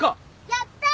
やった。